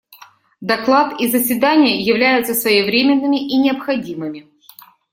Доклад и заседание являются своевременными и необходимыми.